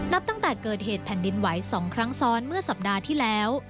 ตั้งแต่เกิดเหตุแผ่นดินไหว๒ครั้งซ้อนเมื่อสัปดาห์ที่แล้ว